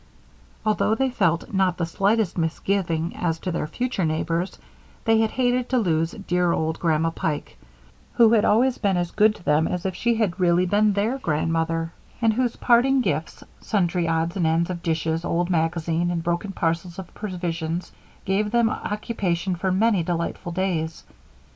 Although they felt not the slightest misgiving as to their future neighbors, they had hated to lose dear old Grandma Pike, who had always been as good to them as if she had really been their grandmother, and whose parting gifts sundry odds and ends of dishes, old magazines, and broken parcels of provisions gave them occupation for many delightful days.